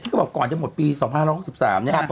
ก็บอกก่อนจะหมดปี๒๕๖๓เนี่ย